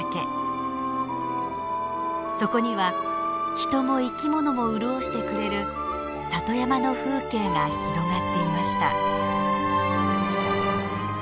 そこには人も生きものも潤してくれる里山の風景が広がっていました。